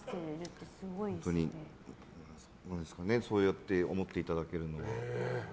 はい、そうやって思っていただけるのは。